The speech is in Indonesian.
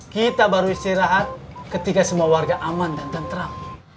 kita baru istirahat ketika semua warga aman dan tentram